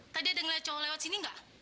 tadi ada ngeliat cowok lewat sini nggak